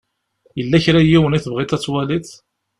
Yella kra n yiwen i tebɣiḍ ad twaliḍ?